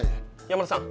山田さん